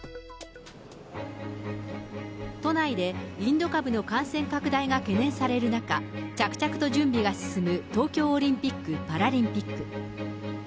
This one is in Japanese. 都内でインド株の感染拡大が懸念される中、着々と準備が進む東京オリンピック・パラリンピック。